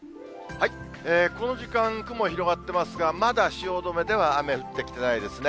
この時間、雲広がってますが、まだ汐留では雨降ってきてないですね。